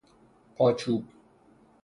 پاچوب